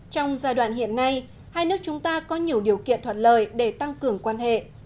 trong giai đoạn hiện nay hai nước chúng ta có nhiều điều kiện thuận lợi để tăng cường quan hệ